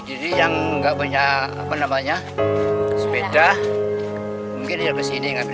jadi yang tidak punya sepeda mungkin dia ke sini mengambil air